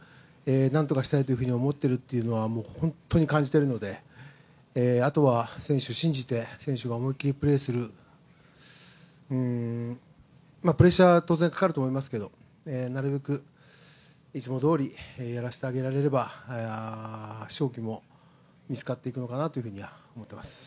何とかしたいと思ってるというのは本当に感じているのであとは選手を信じて選手が思いきりプレーする、プレッシャーは当然かかると思いますけど、なるべく、いつもどおりやらせてあげられれば、勝機も見つかっていくのかなと思っています。